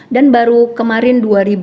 dan baru kemarin